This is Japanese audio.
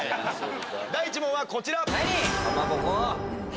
第１問はこちら。